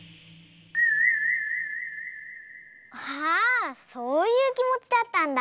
ああそういうきもちだったんだ。